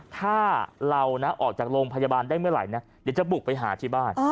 ถ้าเรานะออกจากโรงพยาบาลได้เมื่อไหร่นะเดี๋ยวจะบุกไปหาที่บ้าน